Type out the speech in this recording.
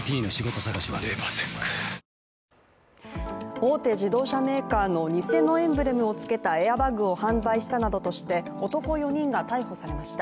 大手自動車メーカーの偽のエンブレムをつけたエアバッグを販売したなどとして男４人が逮捕されました。